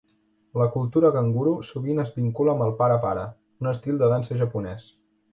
La cultura ganguro sovint es vincula amb el para para, un estil de dansa japonès.